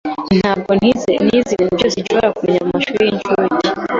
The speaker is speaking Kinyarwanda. Ntabwo nize ibintu byose nkeneye kumenya mumashuri y'incuke.